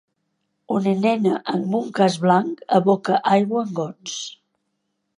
Una nena amb un casc blanc aboca aigua en gots